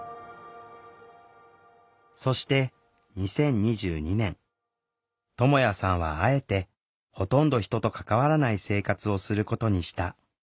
そして２０２２年。ともやさんはあえてほとんど人と関わらない生活をすることにした。